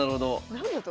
何だと？